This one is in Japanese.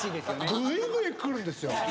ぐいぐいくるんですよ。